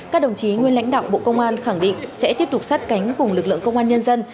các đồng chí nguyên lãnh đạo bộ công an khẳng định sẽ tiếp tục sát cánh cùng lực lượng công an nhân dân